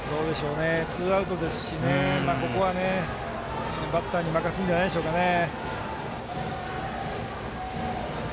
ツーアウトですしバッターに任せるんじゃないでしょうかね。